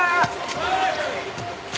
はい！